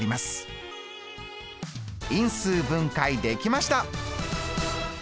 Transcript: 因数分解できました！